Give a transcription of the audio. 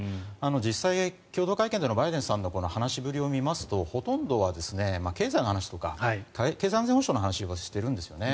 実際に共同会見でのバイデンさんの話ぶりを見ますとほとんどは経済の話とか経済安全保障の話をしてるんですよね。